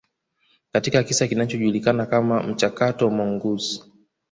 katika kisa kilichojulikana kama mchakato Mongoose